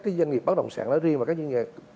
doanh nghiệp bất động sản đó riêng và các doanh nghiệp